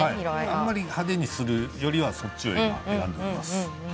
あまり派手にするよりはそちらを選びます。